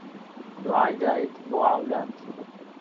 دوعای دايک بۆ عهولاد